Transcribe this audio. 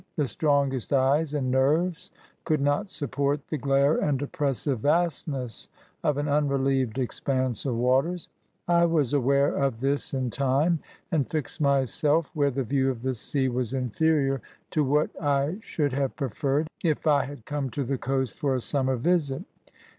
The strongest eyes and nerves could not support the glare and oppressive vastness of an unrelieved expanse of waters. I was aware of this in time, and fixed myself where the view of the sea was inferior to what I should have preferred, if I had come to the coast for a summer vbit.